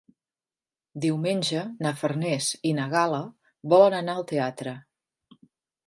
Diumenge na Farners i na Gal·la volen anar al teatre.